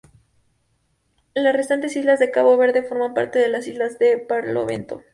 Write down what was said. Las restantes islas de Cabo Verde forman parte de las islas de Barlovento.